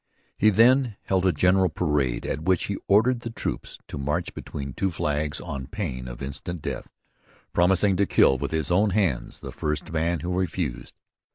He then held a general parade at which he ordered the troops to march between two flag poles on pain of instant death, promising to kill with his own hands the first man who refused.